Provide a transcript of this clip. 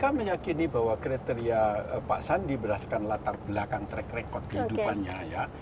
saya meyakini bahwa kriteria pak sandi berdasarkan latar belakang track record kehidupannya ya